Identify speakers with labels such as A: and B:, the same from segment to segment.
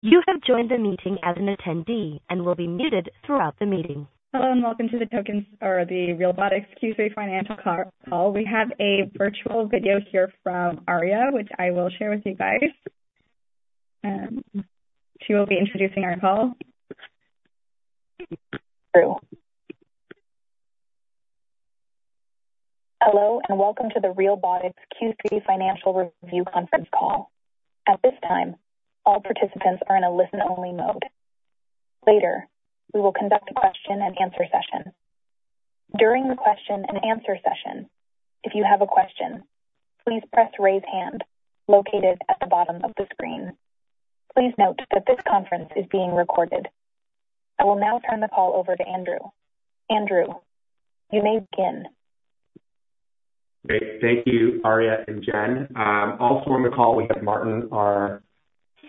A: You have joined the meeting as an attendee and will be muted throughout the meeting.
B: Hello, and welcome to the Tokens to Realbotix Q3 financial call. We have a virtual video here from Aria, which I will share with you guys. She will be introducing our call. Andrew. Hello, and welcome to the Realbotix Q3 Financial Review conference call. At this time, all participants are in a listen-only mode. Later, we will conduct a question-and-answer session. During the question-and-answer session, if you have a question, please press Raise Hand, located at the bottom of the screen. Please note that this conference is being recorded. I will now turn the call over to Andrew. Andrew, you may begin.
C: Great. Thank you, Aria and Jen. Also on the call, we have Martin, our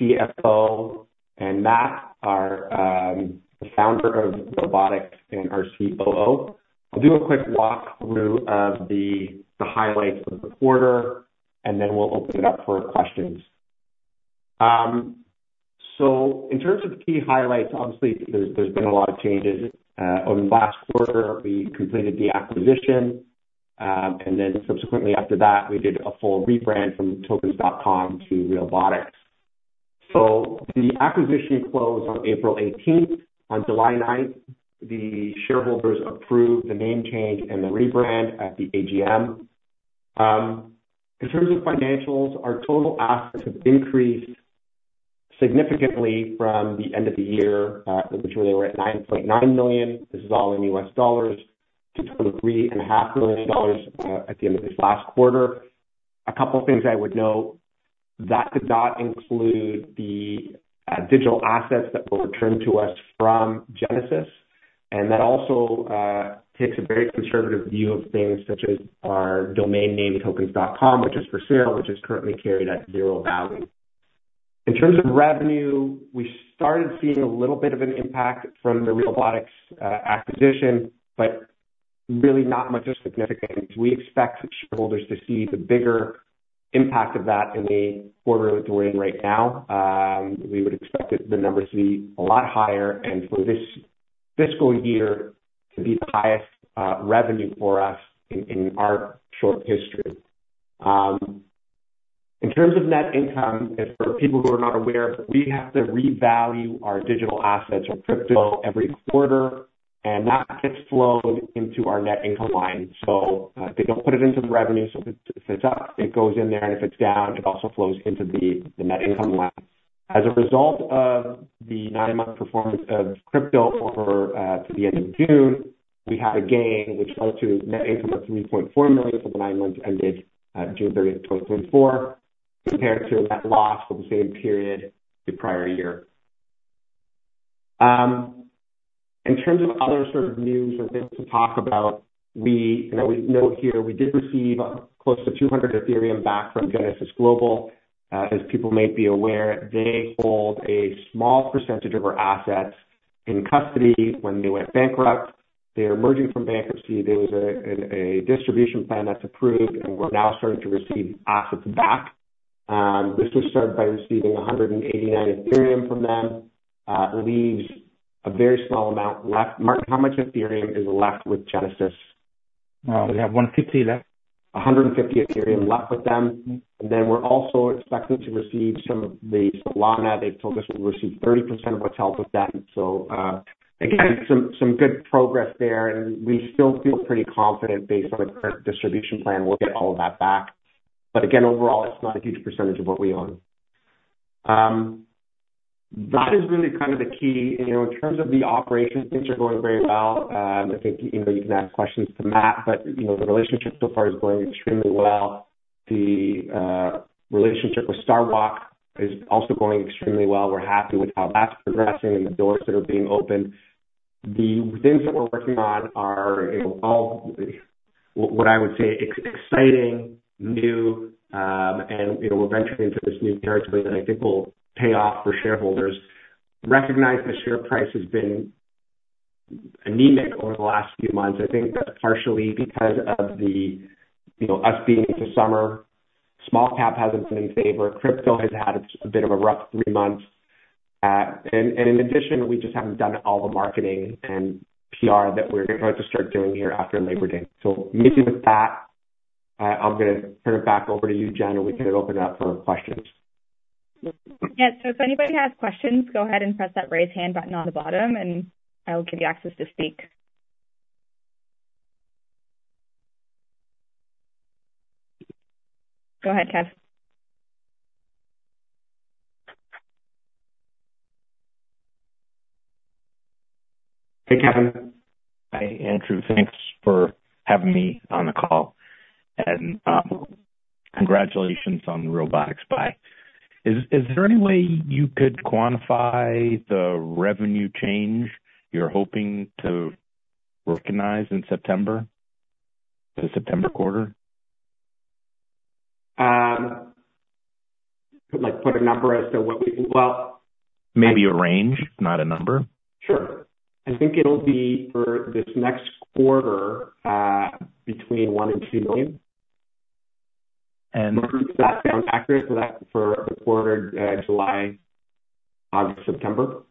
C: CFO, and Matt, our, the founder of Realbotix and our COO. I'll do a quick walk-through of the highlights of the quarter, and then we'll open it up for questions. So in terms of key highlights, obviously, there's been a lot of changes. Over the last quarter, we completed the acquisition, and then subsequently after that, we did a full rebrand from Tokens.com to Realbotix. So the acquisition closed on April eighteenth. On July ninth, the shareholders approved the name change and the rebrand at the AGM. In terms of financials, our total assets have increased significantly from the end of the year, which were at $9.9 million. This is all in US dollars, to $3.5 million, at the end of this last quarter. A couple of things I would note, that did not include the, digital assets that were returned to us from Genesis, and that also, takes a very conservative view of things such as our domain name, tokens.com, which is for sale, which is currently carried at zero value. In terms of revenue, we started seeing a little bit of an impact from the Realbotix, acquisition, but really not much of significance. We expect shareholders to see the bigger impact of that in the quarter that we're in right now. We would expect it, the numbers to be a lot higher and for this fiscal year to be the highest, revenue for us in our short history. In terms of net income, and for people who are not aware, we have to revalue our digital assets or crypto every quarter, and that gets flowed into our net income line, so they don't put it into the revenue. So if it's up, it goes in there, and if it's down, it also flows into the net income line. As a result of the nine-month performance of crypto for to the end of June, we had a gain which led to net income of $3.4 million for the nine months ended June thirtieth, 2024, compared to a net loss for the same period the prior year. In terms of other sort of news and things to talk about, you know, we note here we did receive close to 200 Ethereum back from Genesis Global. As people may be aware, they hold a small percentage of our assets in custody when they went bankrupt. They are emerging from bankruptcy. There was a distribution plan that's approved, and we're now starting to receive assets back. This was started by receiving 189 Ethereum from them. It leaves a very small amount left. Martin, how much Ethereum is left with Genesis?
D: We have one fifty left.
C: 150 Ethereum left with them. And then we're also expecting to receive some of the Solana. They've told us we'll receive 30% of what's held with them. So, again, some good progress there, and we still feel pretty confident based on the current distribution plan, we'll get all of that back. But again, overall, it's not a huge percentage of what we own. That is really kind of the key. You know, in terms of the operation, things are going very well. I think, you know, you can ask questions to Matt, but, you know, the relationship so far is going extremely well. The relationship with Star Walk is also going extremely well. We're happy with how that's progressing and the doors that are being opened. The things that we're working on are all, what I would say, exciting, new, and, you know, we're venturing into this new territory that I think will pay off for shareholders. Recognize the share price has been anemic over the last few months. I think that's partially because of the, you know, us being into summer. Small cap hasn't been in favor. Crypto has had a bit of a rough three months. And in addition, we just haven't done all the marketing and PR that we're going to start doing here after Labor Day. So maybe with that, I'm gonna turn it back over to you, Jen, and we can open it up for questions.
B: Yeah. So if anybody has questions, go ahead and press that raise hand button on the bottom, and I will give you access to speak. Go ahead, Kev.
C: Hey, Kevin. Hi, Andrew. Thanks for having me on the call, and, congratulations on the robotics buy. Is there any way you could quantify the revenue change you're hoping to recognize in September, the September quarter? Like, put a number as to what we... Maybe a range, not a number. Sure. I think it'll be for this next quarter, between $1 million and $2 million..., and that sounds accurate for that, for the quarter, July, August, September?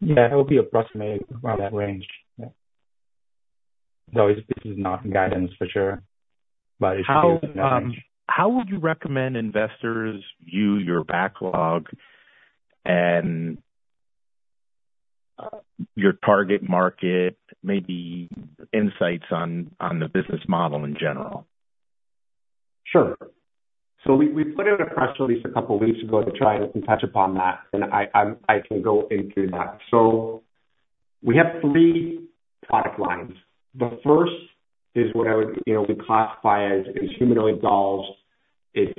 D: Yeah, that would be approximate, around that range. Yeah. So this is not guidance for sure, but it's- How would you recommend investors view your backlog and your target market, maybe insights on the business model in general?
C: Sure. So we put out a press release a couple of weeks ago to try and touch upon that, and I can go into that. So we have three product lines. The first is what I would, you know, we classify as humanoid dolls. It's,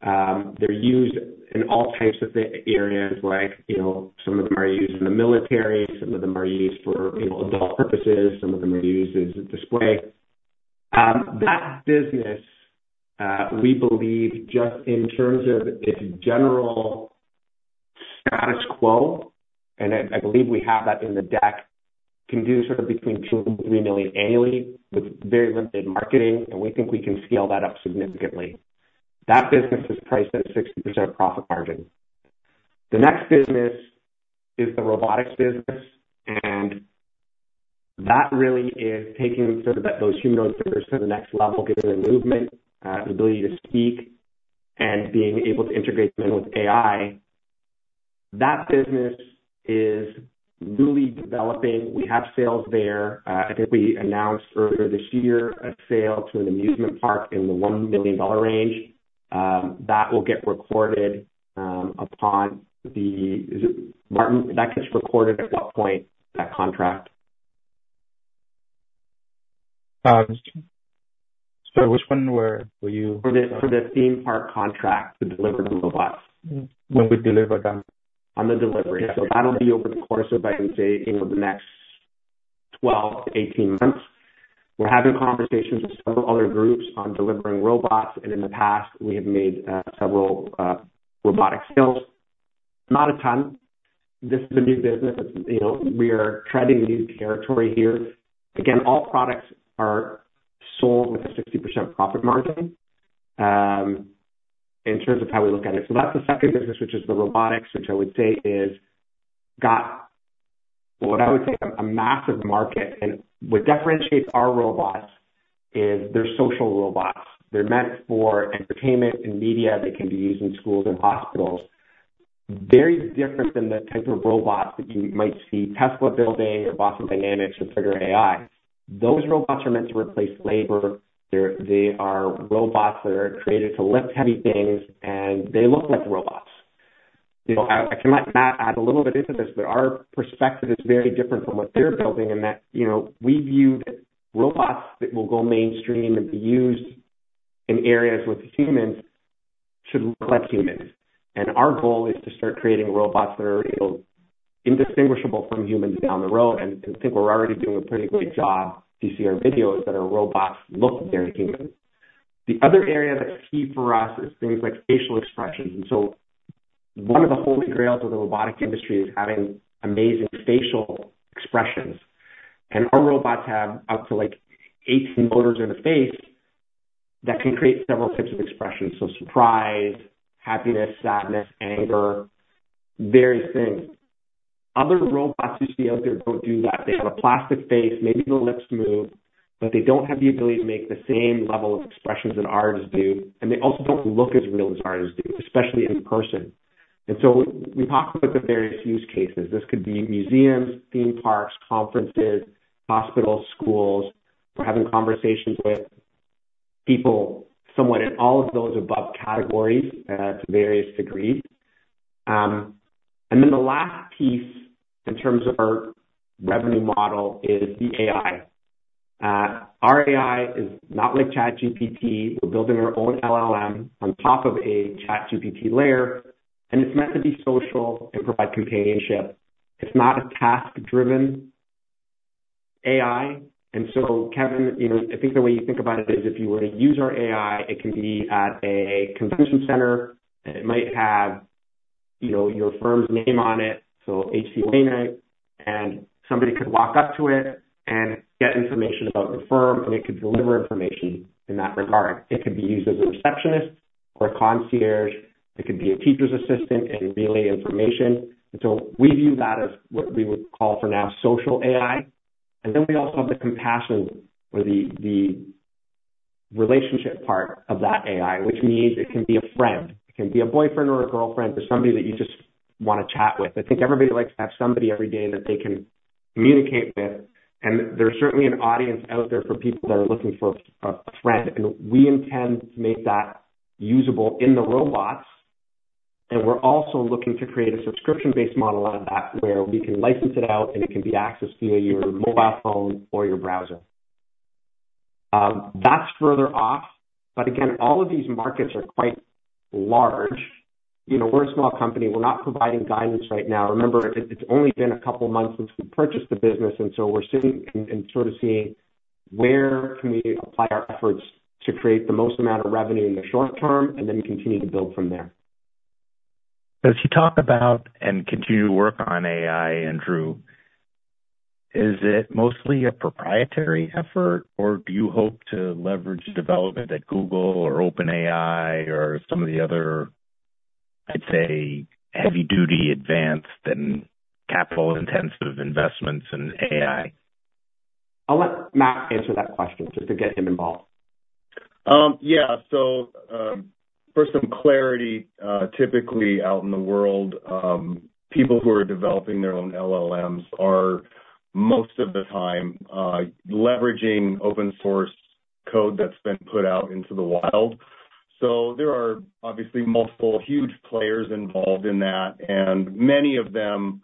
C: they're used in all types of the areas like, you know, some of them are used in the military, some of them are used for, you know, adult purposes, some of them are used as a display. That business, we believe just in terms of its general status quo, and I believe we have that in the deck, can do sort of between two and three million annually with very limited marketing, and we think we can scale that up significantly. That business is priced at a 60% profit margin. The next business is the robotics business, and that really is taking sort of those humanoids to the next level, giving them movement, the ability to speak and being able to integrate them with AI. That business is newly developing. We have sales there. I think we announced earlier this year a sale to an amusement park in the $1 million range. That will get recorded upon the... Martin, that gets recorded at what point, that contract?
D: Sorry, which one were you-
C: For the theme park contract to deliver the robots.
D: When we deliver them.
C: On the delivery. So that'll be over the course of, I can say, you know, the next twelve to eighteen months. We're having conversations with several other groups on delivering robots, and in the past, we have made several robotic sales. Not a ton. This is a new business, you know, we are treading new territory here. Again, all products are sold with a 60% profit margin, in terms of how we look at it. So that's the second business, which is the robotics, which I would say is got what I would say a massive market. And what differentiates our robots is they're social robots. They're meant for entertainment and media. They can be used in schools and hospitals. Very different than the type of robots that you might see Tesla building or Boston Dynamics or Figure AI. Those robots are meant to replace labor. They're, they are robots that are created to lift heavy things, and they look like robots. You know, I, I can let Matt add a little bit into this, but our perspective is very different from what they're building in that, you know, we view that robots that will go mainstream and be used in areas with humans should look like humans. And our goal is to start creating robots that are indistinguishable from humans down the road, and I think we're already doing a pretty great job. If you see our videos, that our robots look very human. The other area that's key for us is things like facial expressions, and so one of the holy grails of the robotics industry is having amazing facial expressions, and our robots have up to, like, eighteen motors in the face that can create several types of expressions. So surprise, happiness, sadness, anger, various things. Other robots you see out there don't do that. They have a plastic face, maybe the lips move, but they don't have the ability to make the same level of expressions that ours do, and they also don't look as real as ours do, especially in person. And so we talk about the various use cases. This could be museums, theme parks, conferences, hospitals, schools. We're having conversations with people somewhat in all of those above categories, to various degrees. And then the last piece in terms of our revenue model is the AI. Our AI is not like ChatGPT. We're building our own LLM on top of a ChatGPT layer, and it's meant to be social and provide companionship. It's not a task-driven AI. And so, Kevin, you know, I think the way you think about it is if you were to use our AI, it can be at a convention center, and it might have, you know, your firm's name on it, so HCA, and somebody could walk up to it and get information about your firm, and it could deliver information in that regard. It could be used as a receptionist or a concierge. It could be a teacher's assistant and relay information. And so we view that as what we would call for now, social AI. Then we also have the compassion or the relationship part of that AI, which means it can be a friend, it can be a boyfriend or a girlfriend or somebody that you just want to chat with. I think everybody likes to have somebody every day that they can communicate with, and there's certainly an audience out there for people that are looking for a friend, and we intend to make that usable in the robots. We're also looking to create a subscription-based model out of that, where we can license it out and it can be accessed via your mobile phone or your browser. That's further off. Again, all of these markets are quite large. You know, we're a small company. We're not providing guidance right now. Remember, it's only been a couple of months since we purchased the business, and so we're sitting and sort of seeing where can we apply our efforts to create the most amount of revenue in the short term and then continue to build from there. ...As you talk about and continue to work on AI, Andrew, is it mostly a proprietary effort, or do you hope to leverage development at Google or OpenAI or some of the other, I'd say, heavy duty, advanced, and capital-intensive investments in AI? I'll let Matt answer that question just to get him involved.
E: Yeah. So, for some clarity, typically out in the world, people who are developing their own LLMs are, most of the time, leveraging open source code that's been put out into the wild. So there are obviously multiple huge players involved in that, and many of them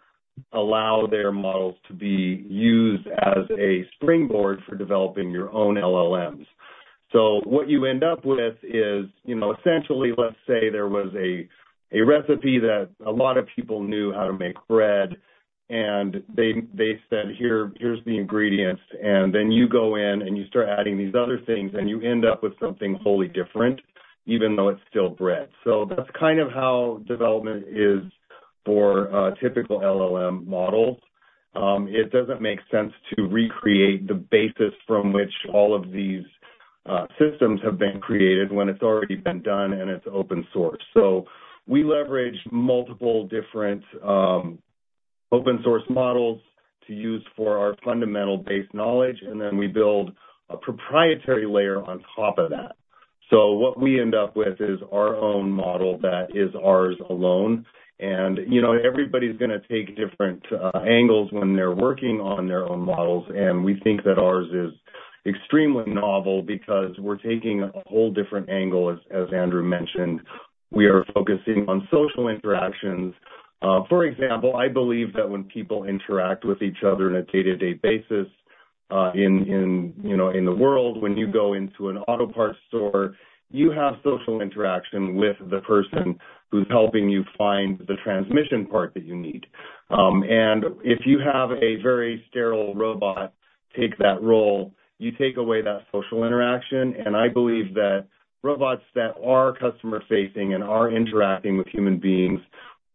E: allow their models to be used as a springboard for developing your own LLMs. So what you end up with is, you know, essentially, let's say there was a recipe that a lot of people knew how to make bread, and they said, "Here, here's the ingredients." And then you go in and you start adding these other things, and you end up with something wholly different, even though it's still bread. So that's kind of how development is for a typical LLM model. It doesn't make sense to recreate the basis from which all of these systems have been created when it's already been done and it's open source, so we leverage multiple different open source models to use for our fundamental base knowledge, and then we build a proprietary layer on top of that, so what we end up with is our own model that is ours alone, and you know, everybody's gonna take different angles when they're working on their own models, and we think that ours is extremely novel because we're taking a whole different angle, as Andrew mentioned. We are focusing on social interactions. For example, I believe that when people interact with each other on a day-to-day basis, in, you know, in the world, when you go into an auto parts store, you have social interaction with the person who's helping you find the transmission part that you need. And if you have a very sterile robot take that role, you take away that social interaction. And I believe that robots that are customer-facing and are interacting with human beings,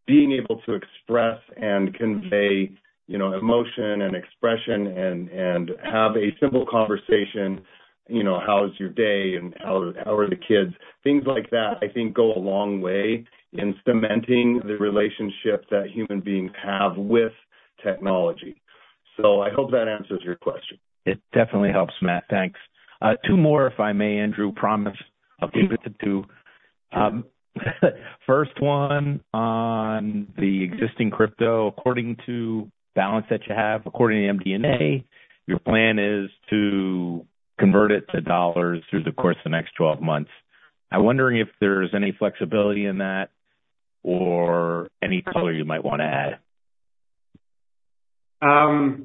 E: being able to express and convey, you know, emotion and expression and have a simple conversation, you know, "How's your day, and how are the kids?" Things like that, I think, go a long way in cementing the relationship that human beings have with technology. So I hope that answers your question. It definitely helps, Matt. Thanks. Two more, if I may, Andrew. Promise I'll keep it to two. First one on the existing crypto. According to balance that you have, according to MD&A, your plan is to convert it to dollars through the course of the next twelve months. I'm wondering if there's any flexibility in that or any color you might wanna add.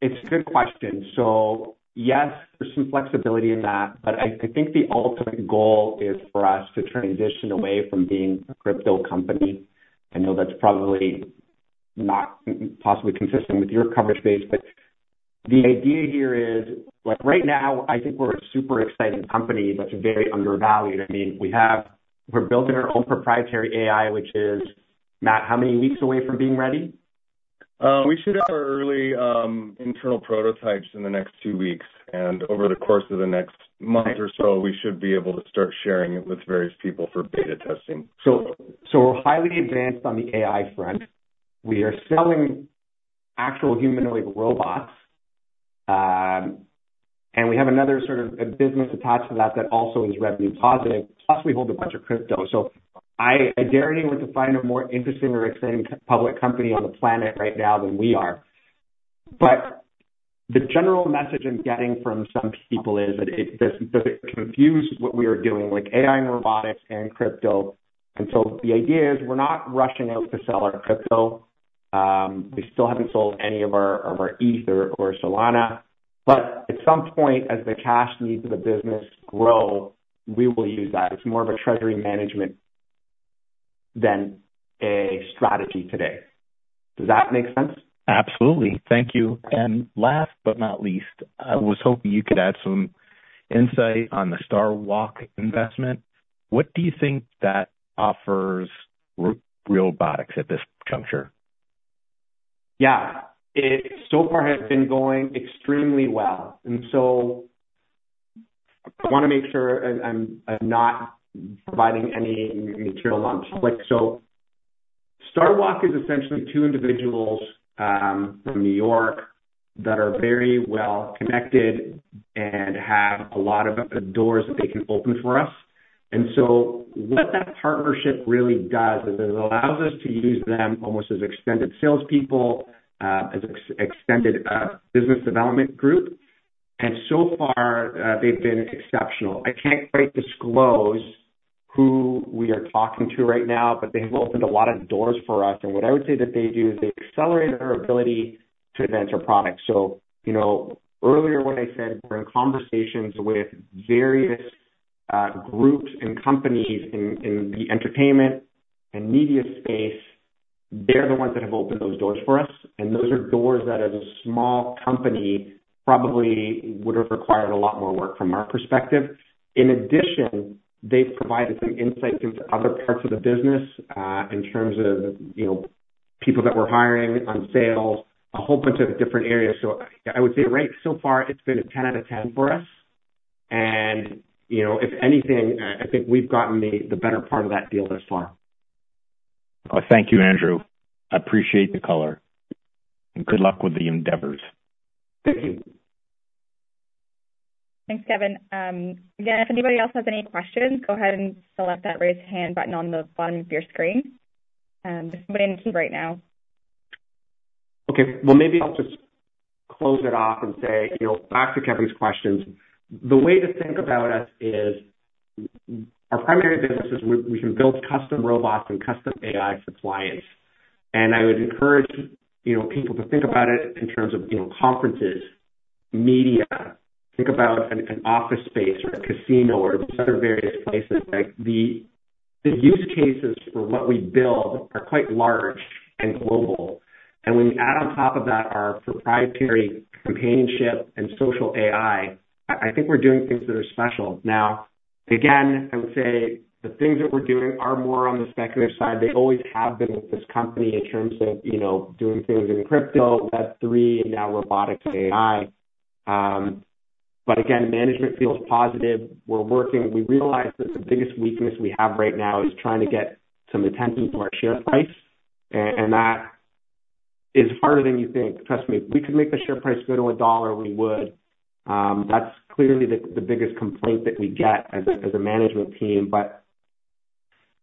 C: It's a good question. So yes, there's some flexibility in that, but I think the ultimate goal is for us to transition away from being a crypto company. I know that's probably not possibly consistent with your coverage base, but the idea here is, like, right now, I think we're a super exciting company that's very undervalued. I mean, we have, we're building our own proprietary AI, which is, Matt, how many weeks away from being ready?
E: We should have our early, internal prototypes in the next two weeks, and over the course of the next month or so, we should be able to start sharing it with various people for beta testing.
C: So we're highly advanced on the AI front. We are selling actual humanoid robots, and we have another sort of a business attached to that that also is revenue positive, plus we hold a bunch of crypto. So I dare anyone to find a more interesting or exciting public company on the planet right now than we are. But the general message I'm getting from some people is that it does it confuse what we are doing with AI and robotics and crypto? And so the idea is we're not rushing out to sell our crypto. We still haven't sold any of our Ether or Solana, but at some point, as the cash needs of the business grow, we will use that. It's more of a treasury management than a strategy today. Does that make sense? Absolutely. Thank you. And last but not least, I was hoping you could add some insight on the Star Walk investment. What do you think that offers Realbotix at this juncture? Yeah. It so far has been going extremely well, and so I wanna make sure I'm not providing any material launch. Like, so Star Walk is essentially two individuals from New York that are very well connected and have a lot of doors that they can open for us. And so what that partnership really does is it allows us to use them almost as extended salespeople as extended business development group. And so far, they've been exceptional. I can't quite disclose who we are talking to right now, but they have opened a lot of doors for us, and what I would say that they do is they accelerate our ability to advance our products. So, you know, earlier when I said we're in conversations with various groups and companies in the entertainment and media space... They're the ones that have opened those doors for us, and those are doors that, as a small company, probably would have required a lot more work from our perspective. In addition, they've provided some insight into other parts of the business in terms of, you know, people that we're hiring on sales, a whole bunch of different areas. So I would say right so far, it's been a ten out of ten for us. And, you know, if anything, I think we've gotten the better part of that deal thus far. Thank you, Andrew. I appreciate the color, and good luck with the endeavors. Thank you.
B: Thanks, Kevin. Again, if anybody else has any questions, go ahead and select that raise hand button on the bottom of your screen. But right now.
C: Okay, well, maybe I'll just close it off and say, you know, back to Kevin's questions. The way to think about us is, our primary business is we can build custom robots and custom AI for clients, and I would encourage, you know, people to think about it in terms of, you know, conferences, media, think about an office space or a casino or other various places, like, the use cases for what we build are quite large and global, and when you add on top of that our proprietary companionship and social AI, I think we're doing things that are special. Now, again, I would say the things that we're doing are more on the speculative side. They always have been with this company in terms of, you know, doing things in crypto, Web3, and now robotics and AI. But again, management feels positive. We're working. We realize that the biggest weakness we have right now is trying to get some attention to our share price, and that is harder than you think. Trust me, if we could make the share price go to a dollar, we would. That's clearly the biggest complaint that we get as a management team. But,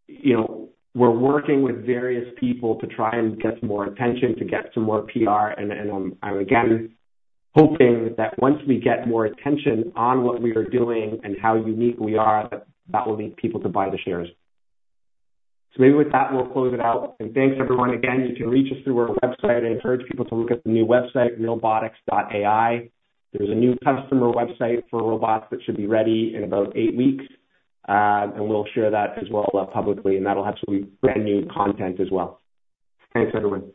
C: you know, we're working with various people to try and get some more attention, to get some more PR, and again, hoping that once we get more attention on what we are doing and how unique we are, that will lead people to buy the shares. So maybe with that, we'll close it out. And thanks, everyone. Again, you can reach us through our website. I encourage people to look at the new website, realbotix.ai. There's a new customer website for robots that should be ready in about eight weeks, and we'll share that as well, publicly, and that'll have some brand new content as well. Thanks, everyone.